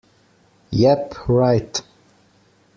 Yep, right!